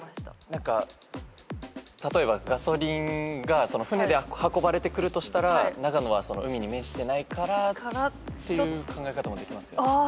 例えばガソリンが船で運ばれてくるとしたら長野は海に面してないからっていう考え方もできますよね。